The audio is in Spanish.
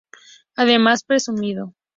Además presumido.